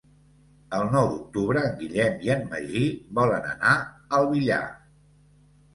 El nou d'octubre en Guillem i en Magí volen anar al Villar.